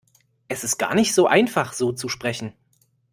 Es ist gar nicht so einfach, so zu sprechen.